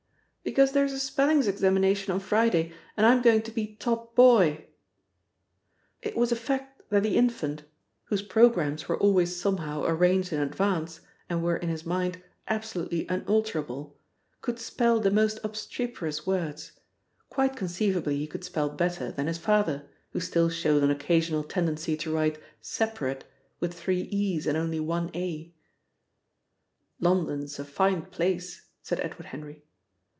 "Because there's a spellings examination on Friday, and I'm going to be top boy." It was a fact that the infant (whose programmes were always somehow arranged in advance, and were in his mind absolutely unalterable) could spell the most obstreperous words. Quite conceivably he could spell better than his father, who still showed an occasional tendency to write "separate" with three e's and only one a. "London's a fine place," said Edward Henry.